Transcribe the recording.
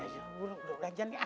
udah udah udah urajan ya